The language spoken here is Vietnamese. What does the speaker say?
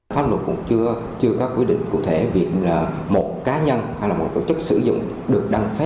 pháp luật cũng chưa có quyết định cụ thể việc một cá nhân hay một tổ chức sử dụng